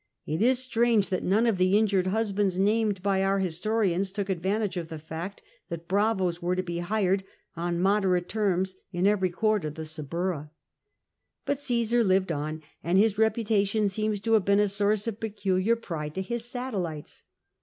It is strange that none of the injured husbands named by our historians took advantage of the fact that bravos were to be hired on moderate terms in every court of the Suburra. But Caesar lived on, and his reputation seems to have been a source of peculiar pride to his satellites.